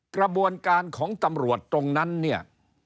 กระบวนการของตำรวจตรงนั้นเนี่ย